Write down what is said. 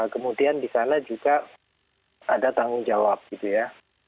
kemudian di sana juga ada tanggung jawab gitu ya